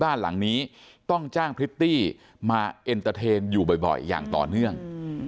บ้านหลังนี้ต้องจ้างพริตตี้มาเอ็นเตอร์เทนอยู่บ่อยอย่างต่อเนื่อง